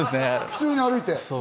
普通に歩いて。